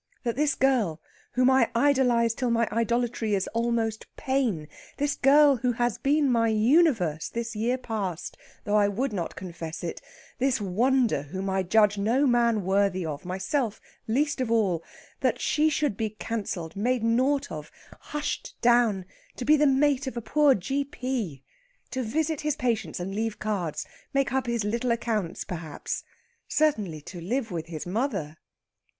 That this girl, whom I idolize till my idolatry is almost pain; this girl who has been my universe this year past, though I would not confess it; this wonder whom I judge no man worthy of, myself least of all that she should be cancelled, made naught of, hushed down, to be the mate of a poor G.P.; to visit his patients and leave cards, make up his little accounts, perhaps! Certainly to live with his mother...."